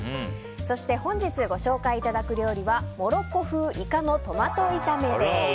そして本日ご紹介いただく料理はモロッコ風イカのトマト炒めです。